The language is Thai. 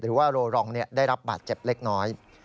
หรือว่าโรรองได้รับบาดเจ็บเล็กน้อย